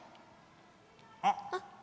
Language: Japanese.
あっ